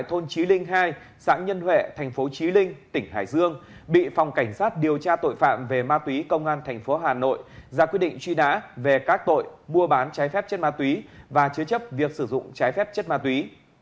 thôn trí linh hai xã nhân huệ thành phố trí linh tỉnh hải dương bị phòng cảnh sát điều tra tội phạm về ma túy công an thành phố hà nội ra quyết định truy nã về các tội mua bán trái phép chất ma túy và chứa chấp việc sử dụng trái phép chất ma túy